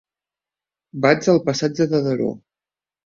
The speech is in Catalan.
Vaig al passatge de Daró.